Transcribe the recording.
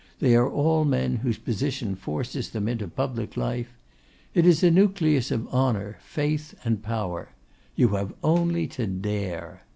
they are all men whose position forces them into public life. It is a nucleus of honour, faith, and power. You have only to dare.